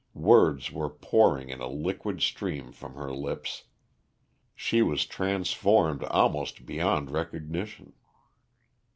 Words were pouring in a liquid stream from her lips; she was transformed almost beyond recognition.